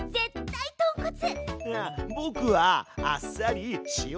いやぼくはあっさり塩で！